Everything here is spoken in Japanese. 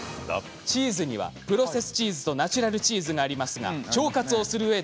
チーズにはプロセスチーズとナチュラルチーズがありますがおなるほど。